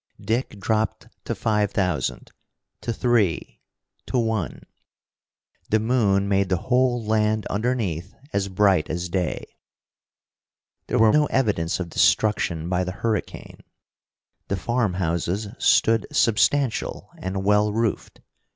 Dick dropped to five thousand, to three, to one. The moon made the whole land underneath as bright as day. There were no evidence of destruction by the hurricane. The farmhouses stood substantial and well roofed.